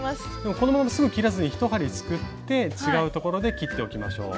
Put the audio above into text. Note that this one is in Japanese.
このまますぐ切らずに１針すくって違うところで切っておきましょう。